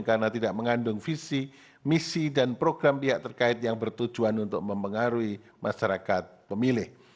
karena tidak mengandung visi misi dan program pihak terkait yang bertujuan untuk mempengaruhi masyarakat pemilih